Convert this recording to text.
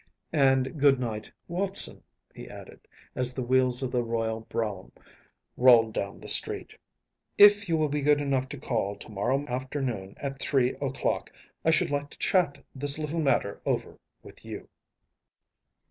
And good night, Watson,‚ÄĚ he added, as the wheels of the royal brougham rolled down the street. “If you will be good enough to call to morrow afternoon at three o’clock I should like to chat this little matter over with you.